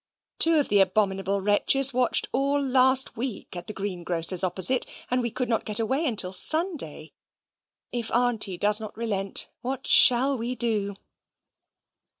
Two of the abominable wretches watched all last week at the greengrocer's opposite, and we could not get away until Sunday. If Aunty does not relent, what shall we do?"